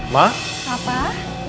masuk pas deh